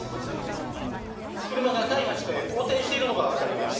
車が大破して横転しているのが分かります。